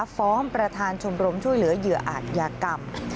ฟ้องประธานชมรมช่วยเหลือเหยื่ออาจยากรรม